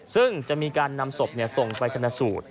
ซึ่งจะมีการนำศพส่งไปชนะสูตร